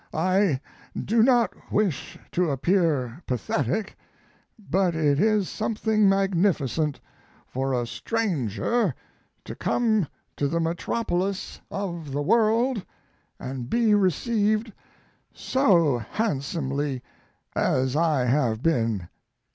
I do not wish to appear pathetic, but it is something magnificent for a stranger to come to the metropolis of the world and be received so handsomely as I have been.